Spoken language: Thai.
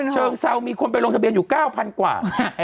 เชิงเซามีคนไปลงทะเบียนอยู่๙๐๐กว่า